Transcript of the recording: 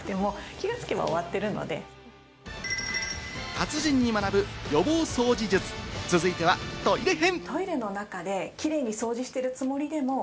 達人に学ぶ予防掃除術、続いては、トイレ編。